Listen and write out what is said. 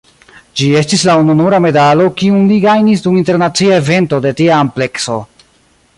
Ĝi estis la ununura medalo kiun li gajnis dum internacia evento de tia amplekso.